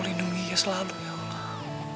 kira kau lindungi ia selalu ya allah